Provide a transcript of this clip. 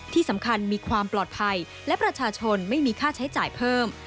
ที่สำคัญมีความปลอดภัยและประชาชนไม่มีค่าใช้จ่ายเพิ่ม